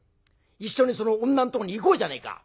一緒にその女のとこに行こうじゃねえか！